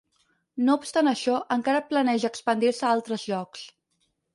No obstant això, encara planeja expandir-se a altres llocs.